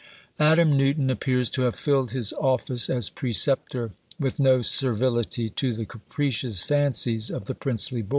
Adam Newton appears to have filled his office as preceptor with no servility to the capricious fancies of the princely boy.